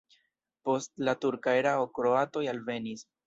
Post la turka erao kroatoj alvenis.